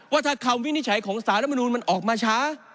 ว่าถ้าคำวินิจฉัยของสารมนูลมันออกมาช้า